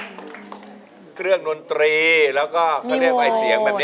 นี่ไหมเครื่องดนตรีแล้วก็เสียงแบบนี้